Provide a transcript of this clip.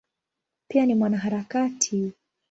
Pia ni mwanaharakati.